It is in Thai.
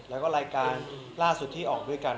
แล้วก็รายการล่าสุดที่ออกด้วยกัน